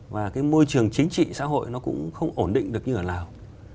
và cái môi trường chính trị xã hội nó cũng không ổn định được như ở lào